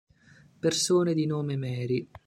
Persone di nome Mary